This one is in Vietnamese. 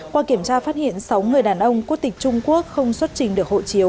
qua kiểm tra phát hiện sáu người đàn ông quốc tịch trung quốc không xuất trình được hộ chiếu